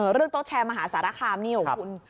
เรื่องโต๊ะแชร์มหาสารคามนี่ของคุณ